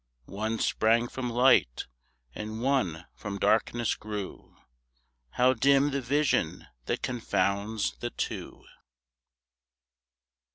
One sprang from light, and one from darkness grew How dim the vision that confounds the two!